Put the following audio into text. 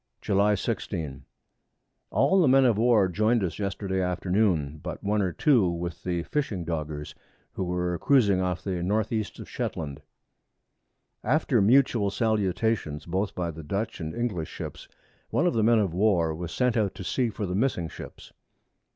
July 16. All the Men of War join'd us Yesterday Afternoon, but one or two with the fishing Doggers, who were cruizing off to the North East of Shetland. After mutual Salutations both by the Dutch and English Ships, one of the Men of War was sent out to see for the missing Ships.